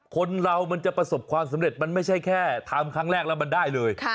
คนเรามันจะประสบความสำเร็จมันไม่ใช่แค่ทำครั้งแรกแล้วมันได้เลย